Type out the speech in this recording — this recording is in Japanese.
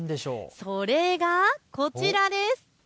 それがこちらです。